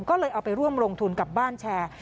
ก็เลยเอาไปร่วมลงทุนกับบ้านแชร์